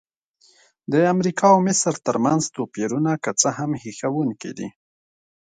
د امریکا او مصر ترمنځ توپیرونه که څه هم هیښوونکي دي.